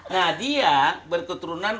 nah dia berketurunan